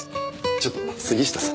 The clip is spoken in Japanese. ちょっと杉下さん。